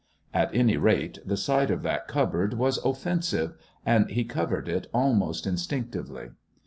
At any rate, the sight of that cupboard was offensive, and he covered it almost instinctively.